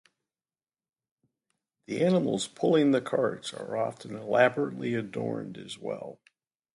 The animals pulling the carts are often elaborately adorned as well.